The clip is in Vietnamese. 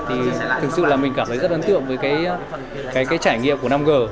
thì thực sự là mình cảm thấy rất ấn tượng với cái trải nghiệm của năm g